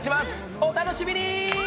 お楽しみに。